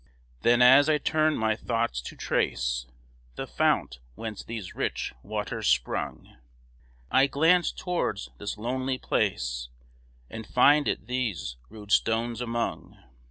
Then, as I turn my thoughts to trace The fount whence these rich waters sprung, I glance towards this lonely place, And find it these rude stones among.